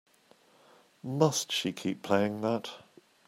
Must she keep playing that?